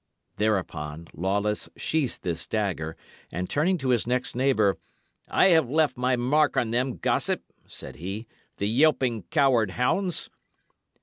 Thereupon, Lawless sheathed his dagger, and turning to his next neighbour, "I have left my mark on them, gossip," said he, "the yelping, coward hounds."